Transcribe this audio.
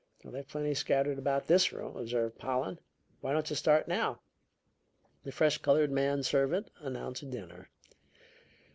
"They've plenty scattered about this room," observed Pollen. "Why don't you start now?" The fresh colored man servant announced dinner.